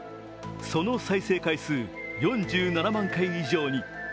その総再生回数、４７万回以上に。